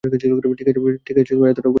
ঠিক আছে, এতটাও ব্যর্থ হইনি।